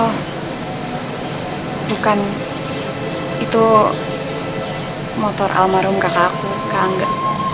oh bukan itu motor almarhum kakak aku kak angga